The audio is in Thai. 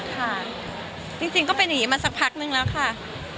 ค่ะจริงก็เป็นอย่างนี้มาสักพักนึงแล้วค่ะ